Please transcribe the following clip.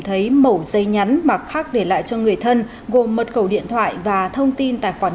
thấy mẫu dây nhắn mà khác để lại cho người thân gồm mật khẩu điện thoại và thông tin tài khoản